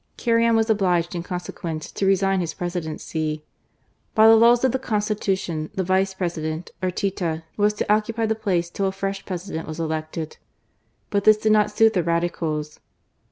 ■ Carrion was obliged, in consequence, to resigii his Presidency. By the laws of the ConstitutioiA the Vice President, Arteta, was to occupy the place till a fresh President was elected. But this did not suit the Radicals.